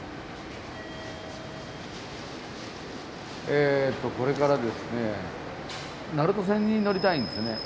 えっとこれからですね鳴門線に乗りたいんですね。